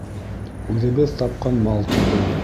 Үҙебеҙ тапҡан мал түгел.